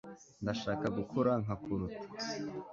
ndashaka gukura nkakuruta